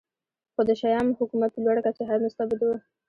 خو د شیام حکومت په لوړه کچه مستبد و